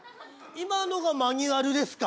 今のがマニュアルですか？